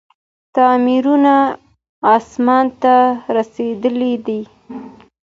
تعميرونه اسمان ته رسېدلي دي.